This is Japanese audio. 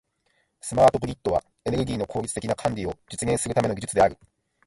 スマートグリッドは、エネルギーの効率的な管理を実現するための技術である。